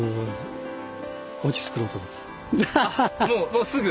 もうすぐ。